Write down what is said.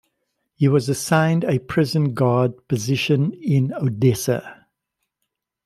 He was assigned a prison guard position in Odessa.